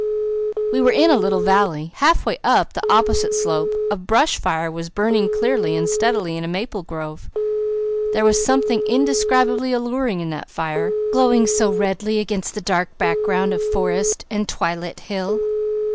We were in a little valley. Half way up the opposite slope a brush fire was burning clearly and steadily in a maple grove. There was something indescribably alluring in that fire, glowing so redly against the dark background of forest and twilit hill.